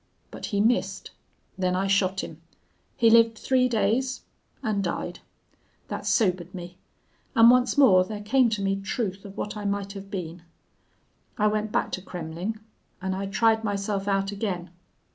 But he missed. Then I shot him.... He lived three days and died. That sobered me. And once more there came to me truth of what I might have been. I went back to Kremmling. And I tried myself out again.